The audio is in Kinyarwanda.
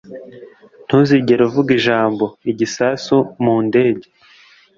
Ntuzigere uvuga ijambo "igisasu" mu ndege.